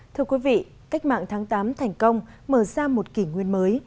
thưa quý vị cách mạng tháng tám thành công mở ra một kỷ nguyên mới